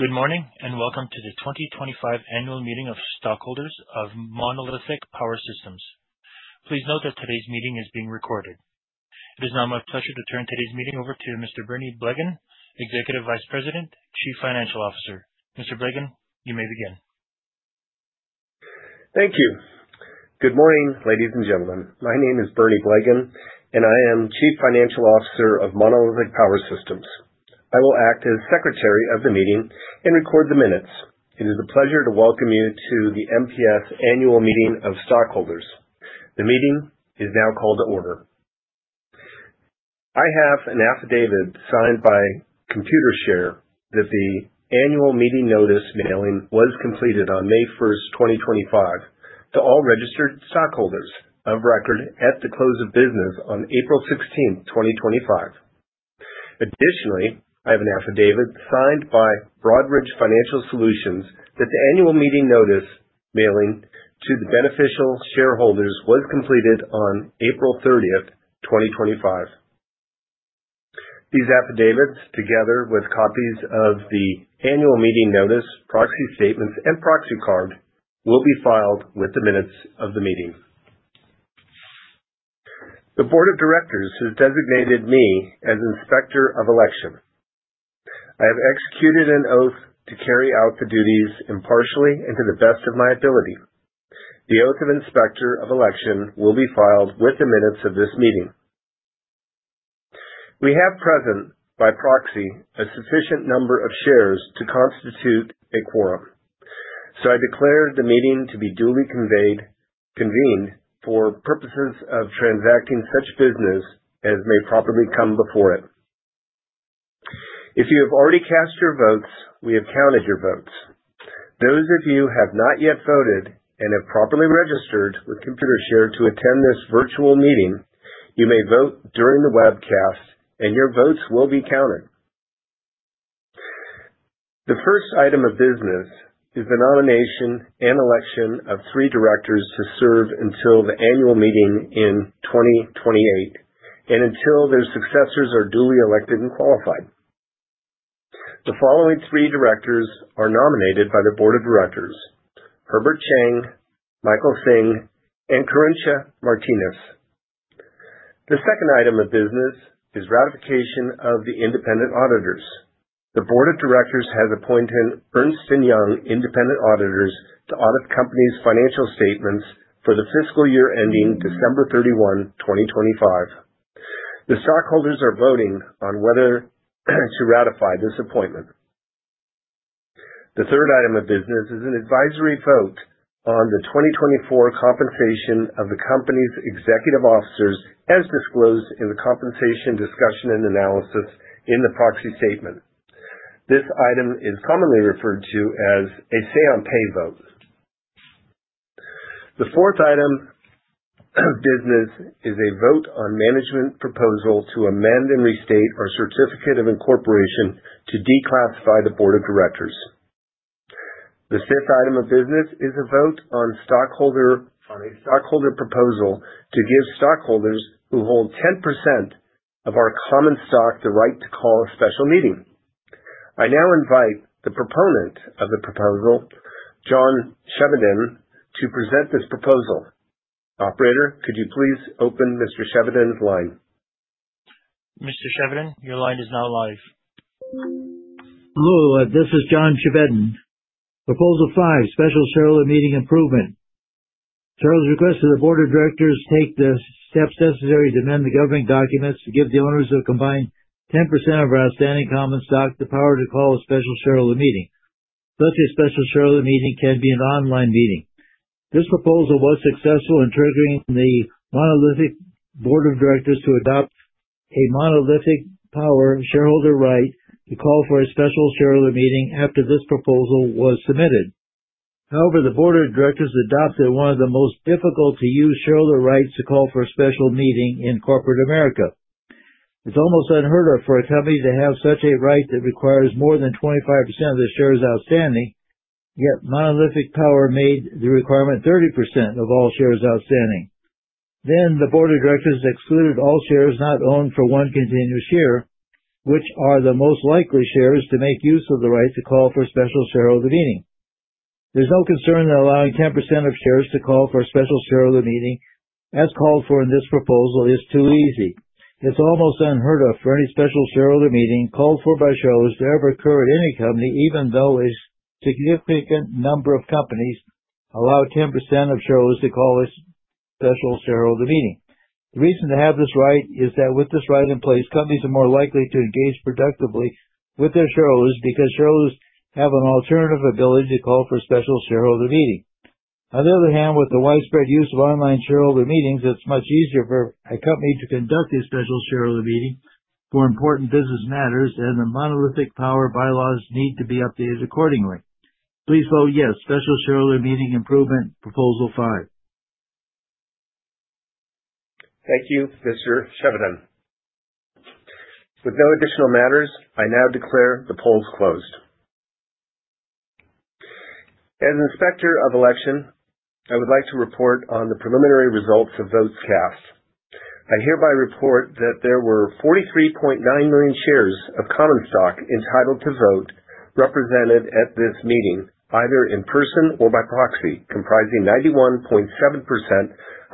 Good morning and welcome to the 2025 annual meeting of stockholders of Monolithic Power Systems. Please note that today's meeting is being recorded. It is now my pleasure to turn today's meeting over to Mr. Bernie Blegen, Executive Vice President, Chief Financial Officer. Mr. Blegen, you may begin. Thank you. Good morning, ladies and gentlemen. My name is Bernie Blegen, and I am Chief Financial Officer of Monolithic Power Systems. I will act as Secretary of the meeting and record the minutes. It is a pleasure to welcome you to the MPS annual meeting of stockholders. The meeting is now called to order. I have an affidavit signed by Computershare that the annual meeting notice mailing was completed on May 1st, 2025, to all registered stockholders of record at the close of business on April 16th, 2025. Additionally, I have an affidavit signed by Broadridge Financial Solutions that the annual meeting notice mailing to the beneficial shareholders was completed on April 30th, 2025. These affidavits, together with copies of the annual meeting notice, proxy statements, and proxy card, will be filed with the minutes of the meeting. The Board of Directors has designated me as Inspector of Election. I have executed an oath to carry out the duties impartially and to the best of my ability. The oath of Inspector of Election will be filed with the minutes of this meeting. We have present by proxy a sufficient number of shares to constitute a quorum, so I declare the meeting to be duly convened for purposes of transacting such business as may properly come before it. If you have already cast your votes, we have counted your votes. Those of you who have not yet voted and have properly registered with Computershare to attend this virtual meeting, you may vote during the webcast, and your votes will be counted. The first item of business is the nomination and election of three directors to serve until the annual meeting in 2028 and until their successors are duly elected and qualified. The following three directors are nominated by the Board of Directors: Herbert Chang, Michael Hsing, and Carintia Martinez. The second item of business is ratification of the independent auditors. The Board of Directors has appointed Ernst & Young independent auditors to audit the company's financial statements for the fiscal year ending December 31, 2025. The stockholders are voting on whether to ratify this appointment. The third item of business is an advisory vote on the 2024 compensation of the company's executive officers, as disclosed in the compensation discussion and analysis in the proxy statement. This item is commonly referred to as a say-on-pay vote. The fourth item of business is a vote on management proposal to amend and restate our certificate of incorporation to declassify the Board of Directors. The fifth item of business is a vote on a stockholder proposal to give stockholders who hold 10% of our common stock the right to call a special meeting. I now invite the proponent of the proposal, John Chevedden, to present this proposal. Operator, could you please open Mr. Chevedden's line? Mr. Chevedden, your line is now live. Hello, this is John Chevedden. Proposal five, special shareholder meeting improvement. Charles requests that the Board of Directors take the steps necessary to amend the government documents to give the owners of combined 10% of our standing common stock the power to call a special shareholder meeting. Such a special shareholder meeting can be an online meeting. This proposal was successful in triggering the Monolithic Power Systems Board of Directors to adopt a Monolithic Power Systems shareholder right to call for a special shareholder meeting after this proposal was submitted. However, the Board of Directors adopted one of the most difficult-to-use shareholder rights to call for a special meeting in corporate America. It's almost unheard of for a company to have such a right that requires more than 25% of the shares outstanding, yet Monolithic Power Systems made the requirement 30% of all shares outstanding. The Board of Directors excluded all shares not owned for one continuous year, which are the most likely shares to make use of the right to call for a special shareholder meeting. There is no concern in allowing 10% of shares to call for a special shareholder meeting, as called for in this proposal is too easy. It is almost unheard of for any special shareholder meeting called for by shareholders to ever occur at any company, even though a significant number of companies allow 10% of shareholders to call a special shareholder meeting. The reason to have this right is that with this right in place, companies are more likely to engage productively with their shareholders because shareholders have an alternative ability to call for a special shareholder meeting. On the other hand, with the widespread use of online shareholder meetings, it's much easier for a company to conduct a special shareholder meeting for important business matters, and the Monolithic Power Systems bylaws need to be updated accordingly. Please vote yes, special shareholder meeting improvement proposal five. Thank you, Mr. Chevedden. With no additional matters, I now declare the polls closed. As Inspector of Election, I would like to report on the preliminary results of votes cast. I hereby report that there were 43.9 million shares of common stock entitled to vote represented at this meeting, either in person or by proxy, comprising 91.7%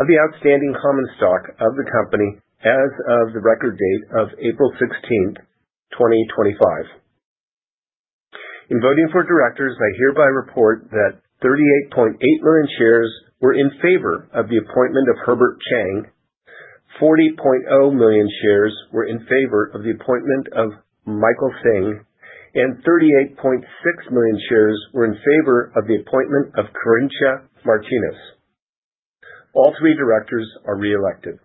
of the outstanding common stock of the company as of the record date of April 16th, 2025. In voting for directors, I hereby report that 38.8 million shares were in favor of the appointment of Herbert Chang, 40.0 million shares were in favor of the appointment of Michael Hsing, and 38.6 million shares were in favor of the appointment of Carintia Martinez. All three directors are re-elected.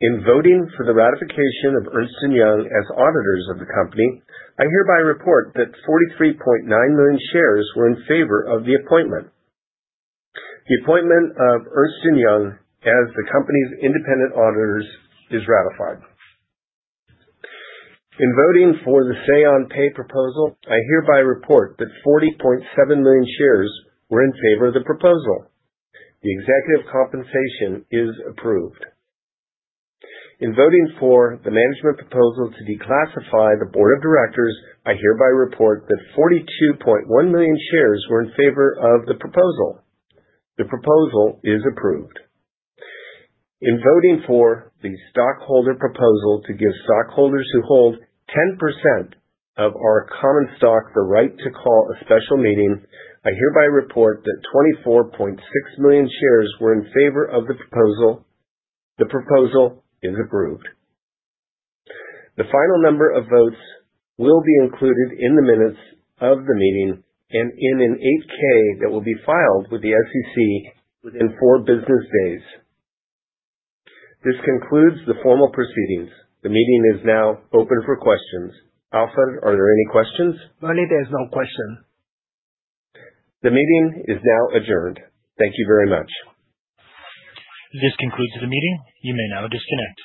In voting for the ratification of Ernst & Young as auditors of the company, I hereby report that 43.9 million shares were in favor of the appointment. The appointment of Ernst & Young as the company's independent auditors is ratified. In voting for the say-on-pay proposal, I hereby report that 40.7 million shares were in favor of the proposal. The executive compensation is approved. In voting for the management proposal to declassify the Board of Directors, I hereby report that 42.1 million shares were in favor of the proposal. The proposal is approved. In voting for the stockholder proposal to give stockholders who hold 10% of our common stock the right to call a special meeting, I hereby report that 24.6 million shares were in favor of the proposal. The proposal is approved. The final number of votes will be included in the minutes of the meeting and in an 8-K that will be filed with the SEC within four business days. This concludes the formal proceedings. The meeting is now open for questions. Alfred, are there any questions? No, there's no question. The meeting is now adjourned. Thank you very much. This concludes the meeting. You may now disconnect.